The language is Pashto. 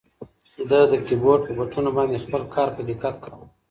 ده د کیبورډ په بټنو باندې خپل کار په دقت کاوه.